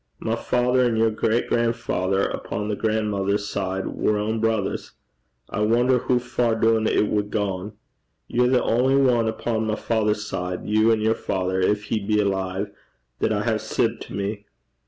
My father an' your great gran'father upo' the gran'mither's side war ain brithers. I wonner hoo far doon it wad gang. Ye're the only ane upo' my father's side, you and yer father, gin he be alive, that I hae sib to me.